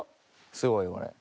すごいこれ？